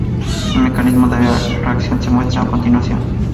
El mecanismo de reacción se muestra a continuación.